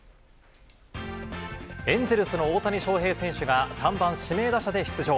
エンゼルスの大谷翔平選手が、３番指名打者で出場。